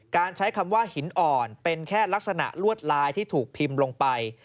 ใช้คำว่าหินอ่อนเป็นแค่ลักษณะลวดลายที่ถูกพิมพ์ลงไป